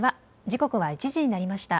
時刻は１時になりました。